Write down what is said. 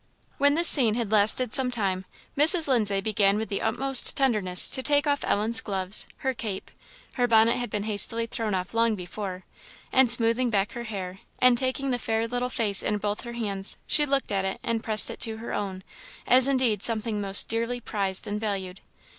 When this scene had lasted some time, Mrs. Lindsay began with the utmost tenderness to take off Ellen's gloves, her cape (her bonnet had been hastily thrown off long before); and smoothing back her hair, and taking the fair little face in both her hands, she looked at it and pressed it to her own, as indeed something most dearly prized and valued.